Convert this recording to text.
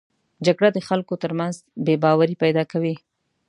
جګړه د خلکو تر منځ بې باوري پیدا کوي